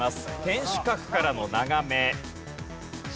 天守閣からの眺め。